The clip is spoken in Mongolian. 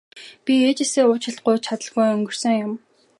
Би ээжээсээ уучлалт гуйж чадалгүй өнгөрсөн юм.